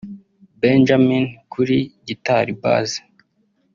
Benjamin kuri guitor Bass